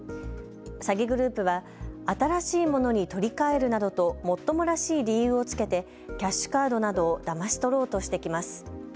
詐欺グループは新しいものに取り替えるなどともっともらしい理由をつけてキャッシュカードなどをだまし取ろうとしてきます。